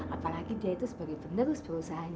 apalagi dia itu sebagai penerus perusahaan